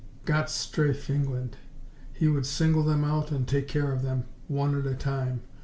Gott strafe England! He would single them out and take care of them, one at a time.